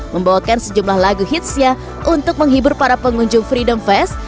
membawakan sejumlah lagu hitsnya untuk menghibur para pengunjung freedom fest